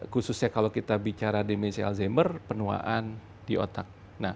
khususnya kalau kita bicara demensi alzheimer penuaan di otak